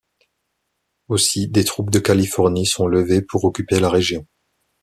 Aussi des troupes de Californie sont levées pour occuper la région.